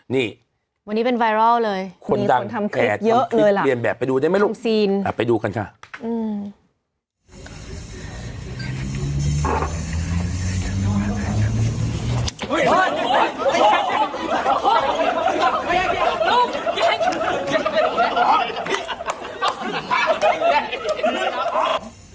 นี่คนดังแอดทำคลิปเรียนแบบไปดูได้ไหมลูกไปดูกันค่ะนี่